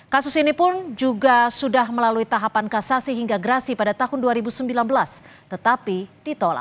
kasus ini pun juga sudah melalui tahapan kasasi hingga gerasi pada tahun dua ribu sembilan belas tetapi ditolak